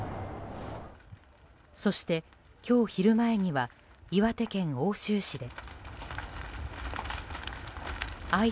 そして、今日昼前には岩手県奥州市で。